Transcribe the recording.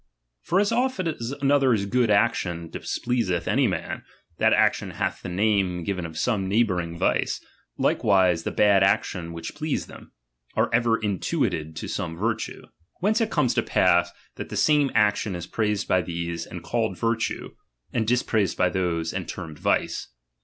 For as oft as another's good action displeaseth any man, that action hath the name given of some neighbouring vice ; like wise the bad actions which please them, are ever intituled to some virtue. Whence it comes to pass that the same action is praised by these, and called virtue, and dispraised by those, and termed vice.